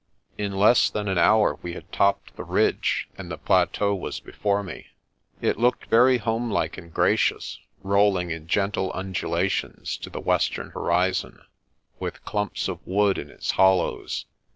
In less than an hour we had topped the ridge and the plateau was before me. It looked very homelike and gracious, rolling in gentle undulations to the western horizon, with clumps of wood in its hollows.